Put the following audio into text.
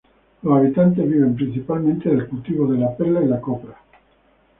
Los habitantes viven principalmente del cultivo de perlas y copra.